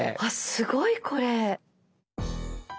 すごいこれ。